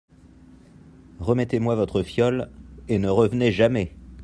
Remettez-moi votre fiole… et ne revenez jamais !